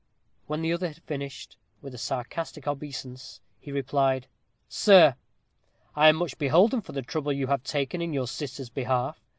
When the other had finished, with a sarcastic obeisance, he replied: "Sir, I am much beholden for the trouble you have taken in your sister's behalf.